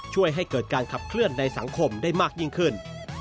ช่วยให้เกิดการขับเคลื่อนในสังคมได้มากยิ่งขึ้น